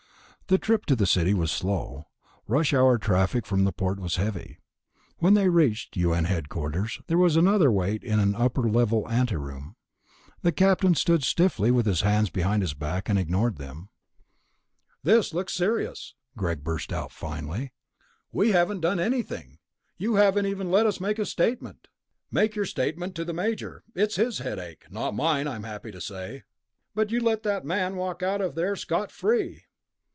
The trip into the city was slow; rush hour traffic from the port was heavy. When they reached U.N. headquarters, there was another wait in an upper level ante room. The Captain stood stiffly with his hands behind his back and ignored them. "Look, this is ridiculous," Greg burst out finally. "We haven't done anything. You haven't even let us make a statement." "Make your statement to the Major. It's his headache, not mine, I'm happy to say." "But you let that man walk out of there scot free...."